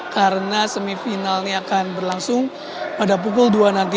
karena semifinalnya akan berlangsung pada pukul dua nanti